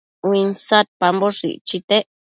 uinsadpamboshë icchitec